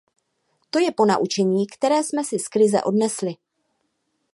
To je to ponaučení, které jsme si z krize odnesli.